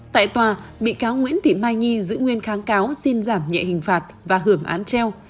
tại tòa bị cáo nguyễn thị mai nhi giữ nguyên kháng cáo xin giảm nhẹ hình phạt và hưởng án treo